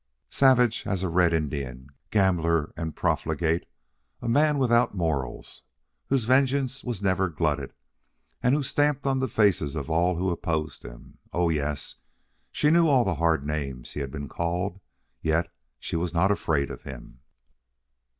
Savage as a Red Indian, gambler and profligate, a man without morals, whose vengeance was never glutted and who stamped on the faces of all who opposed him oh, yes, she knew all the hard names he had been called. Yet she was not afraid of him.